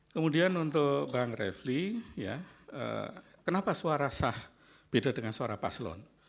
kemudian untuk bang refli kenapa suara sah beda dengan suara paslon